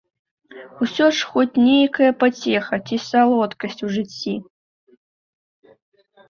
Усё ж хоць нейкая пацеха ці салодкасць у жыцці.